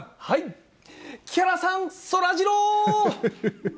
木原さん、そらジロー！